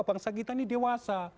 bangsa kita ini dewasa